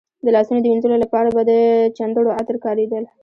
د لاسونو د وینځلو لپاره به د چندڼو عطر کارېدل.